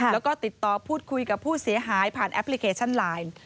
แล้วก็ติดต่อพูดคุยกับผู้เสียหายผ่านแอปพลิเคชันไลน์